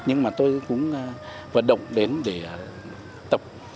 nhưng mà tôi cũng vận động đến để tập